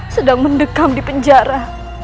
sedang mendekam di penjara